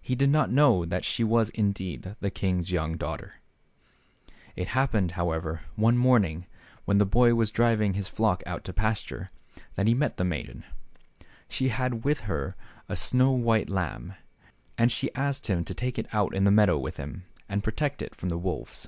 He did not know that she was indeed the king's young daughter. It happened, however, one morning, when the boy was just driving his flock out to pasture, that he met the maiden. She had with her a snow white lamb, and she asked him to take it out in the meadow with him, and protect it from the wolves.